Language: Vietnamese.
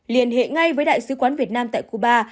liên hệ ngay với đại sứ quán việt nam tại cuba